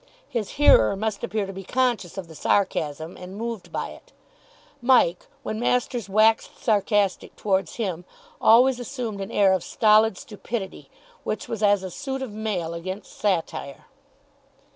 His hearer must appear to be conscious of the sarcasm and moved by it. Mike, when masters waxed sarcastic towards him, always assumed an air of stolid stupidity, which was as a suit of mail against satire.